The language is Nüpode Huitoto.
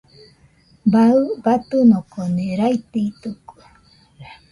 Baɨ batɨnokoni raitɨitɨkue.